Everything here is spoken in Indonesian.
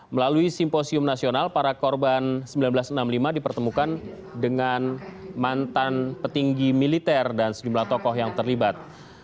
melalui simposium nasional para korban seribu sembilan ratus enam puluh lima dipertemukan dengan mantan petinggi militer dan sejumlah tokoh yang terlibat